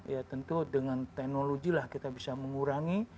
ya tentu dengan teknologi lah kita bisa mengurangi